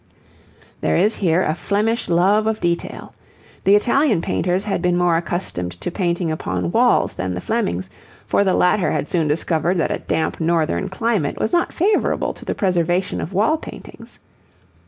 There is here a Flemish love of detail. The Italian painters had been more accustomed to painting upon walls than the Flemings, for the latter had soon discovered that a damp northern climate was not favourable to the preservation of wall paintings.